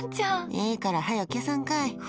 いいから、はよ消さんかい。